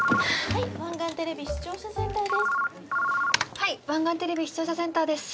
☎はい湾岸テレビ視聴者センターです。